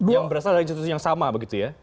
yang berasal dari institusi yang sama begitu ya